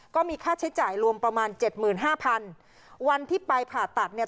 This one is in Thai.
ก็มีค่าใช้จ่ายรวมประมาณเจ็ดหมื่นห้าพันวันที่ไปผ่าตัดเนี่ย